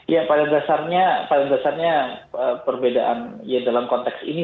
ya paling dasarnya perbedaan dalam konteks ini